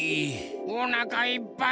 おなかいっぱい。